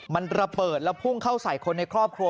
มันระเบิดแล้วพุ่งเข้าใส่คนในครอบครัว